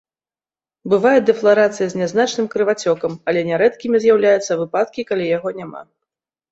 Бывае дэфларацыя з нязначным крывацёкам, але нярэдкімі з'яўляюцца выпадкі, калі яго няма.